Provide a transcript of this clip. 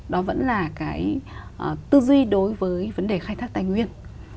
đó vẫn là cái tư duy đối với vấn đề khai thác tài nguyên